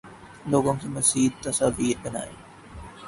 لوگوں کی مزید تصاویر بنائیں